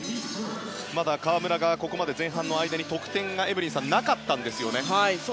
まだ河村がここまで前半の間にエブリンさん得点がなかったんですよね。